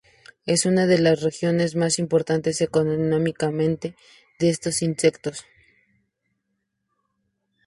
Es una de las regiones más importantes económicamente de estos insectos.